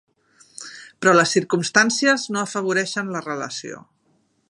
Però les circumstàncies no afavoreixen la relació.